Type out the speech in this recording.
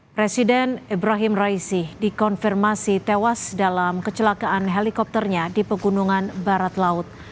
presiden ibrahim raisi dikonfirmasi tewas dalam kecelakaan helikopternya di pegunungan barat laut